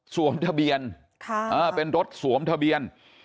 ทะเบียนเป็นรถสวมทะเบียน